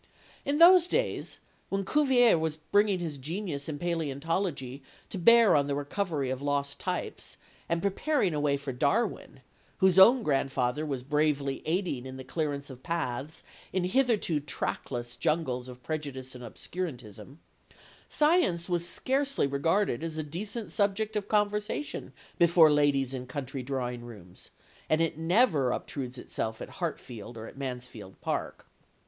In those days, when Cuvier was bringing his genius in palæontology to bear on the recovery of lost types, and preparing a way for Darwin, whose own grandfather was bravely aiding in the clearance of paths in hitherto trackless jungles of prejudice and obscurantism, science was scarcely regarded as a decent subject of conversation before ladies in country drawing rooms, and it never obtrudes itself at Hartfield or at Mansfield Park.